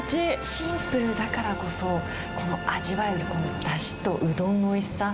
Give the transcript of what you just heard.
シンプルだからこそ、この味わえる、このだしとうどんのおいしさ。